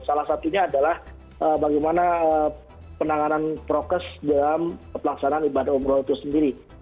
salah satunya adalah bagaimana penanganan prokes dalam pelaksanaan ibadah umroh itu sendiri